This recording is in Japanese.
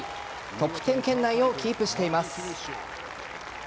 トップ１０圏内をキープしています。